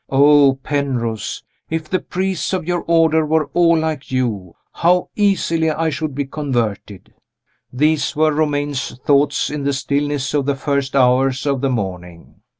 Oh, Penrose, if the priests of your Order were all like you, how easily I should be converted! These were Romayne's thoughts, in the stillness of the first hours of the morning.